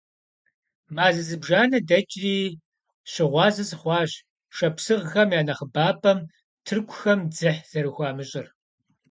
Мазэ зыбжанэ дэкӀри, щыгъуазэ сыхъуащ шапсыгъхэм я нэхъыбапӀэм тыркухэм дзыхь зэрыхуамыщӀыр.